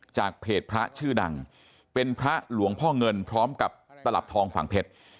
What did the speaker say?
จากเพจพระชื่อดังเป็นพระหลวงพ่อเงินพร้อมกับตลับทองฝั่งเพชร